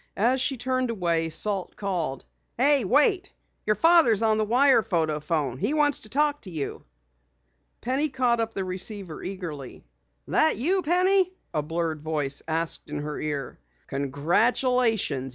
As she turned away, Salt called: "Hey, wait! Your father's on the wire photo phone. He wants to talk to you." Penny caught up the receiver eagerly. "That you, Penny?" a blurred voice asked in her ear. "Congratulations!